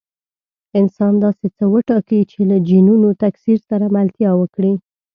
انسان داسې څه وټاکي چې له جینونو تکثیر سره ملتیا وکړي.